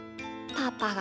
パパが？